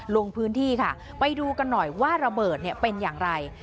ลงพื้นที่ค่ะไปดูกันหน่อยว่าระเบิดเป็นอย่างไร